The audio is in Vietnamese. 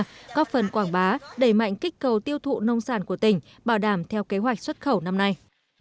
còn là có phần quảng bá đẩy mạnh kích cầu tiêu thụ nông sản của tỉnh bảo đảm theo kế hoạch xuất khẩu năm nay